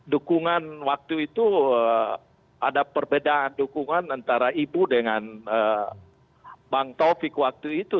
dukungan waktu itu ada perbedaan dukungan antara ibu dengan bang taufik waktu itu